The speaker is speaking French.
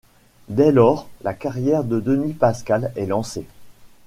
Dès lors, la carrière de Denis Pascal est lancée.